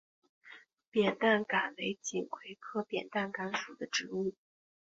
扁担杆为锦葵科扁担杆属的植物。